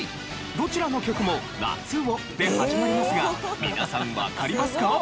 どちらの曲も「夏を」で始まりますが皆さんわかりますか？